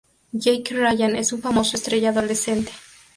Jake Ryan es un famoso estrella-adolescente.